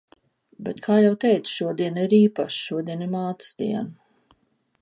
Bet kā jau teicu, šodiena ir īpaša – šodien ir Mātes diena.